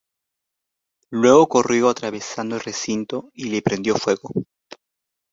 Luego corrió atravesando el recinto y le prendió fuego.